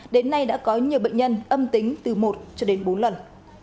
đến nay đã có nhiều bệnh nhân âm tính từ một cho đến bốn lần